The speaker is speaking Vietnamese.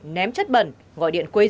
ném chất bẩn gọi điện quê dụng